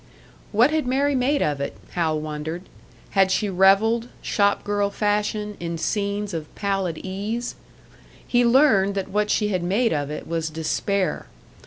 What had Mary made of it, Hal wondered. Had she revelled, shop girl fashion, in scenes of pallid ease? He learned that what she had made of it was despair.